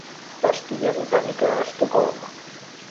Va estudiar botànica a Estocolm.